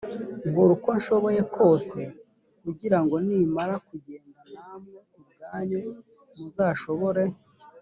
nkora uko nshoboye kose kugira ngo nimara kugenda namwe ubwanyu muzashobore